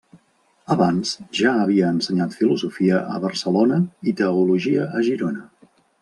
Abans ja havia ensenyat filosofia a Barcelona i teologia a Girona.